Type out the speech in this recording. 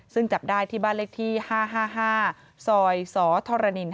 ซึ่งจับได้ที่บ้านเลขที่๕๕ซอยสธนิน๕